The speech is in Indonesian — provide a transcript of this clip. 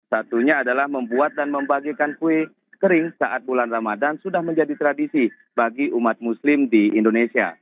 satunya adalah membuat dan membagikan kue kering saat bulan ramadan sudah menjadi tradisi bagi umat muslim di indonesia